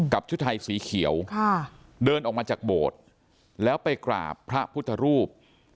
ชุดไทยสีเขียวเดินออกมาจากโบสถ์แล้วไปกราบพระพุทธรูป